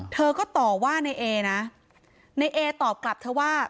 เธอก็ต่อว่าในเอนะในเอตอบกลับเธอว่า